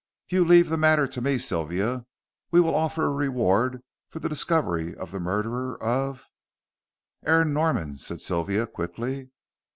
You leave the matter to me, Sylvia. We will offer a reward for the discovery of the murderer of " "Aaron Norman," said Sylvia, quickly.